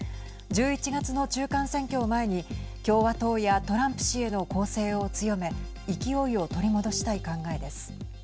１１月の中間選挙を前に共和党やトランプ氏への攻勢を強め勢いを取り戻したい考えです。